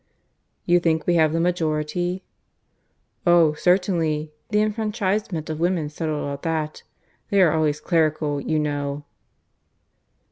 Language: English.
"You think we have the majority?" "Oh, certainly. The enfranchisement of women settled all that. They are always clerical, you know."